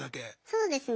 そうですね。